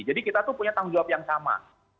jadi kita tuh punya tanggung jawab yang sama